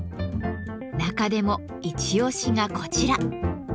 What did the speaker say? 中でも一推しがこちら。